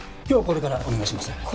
今日これからお願いします